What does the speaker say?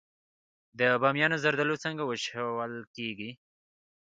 د بامیان زردالو څنګه وچول کیږي؟